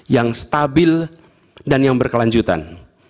yang stabil dan yang berkelanjutan